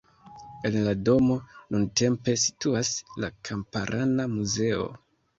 En la domo nuntempe situas la kamparana muzeo.